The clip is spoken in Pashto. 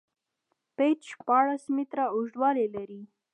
پېچ شپاړس میتره اوږدوالی لري.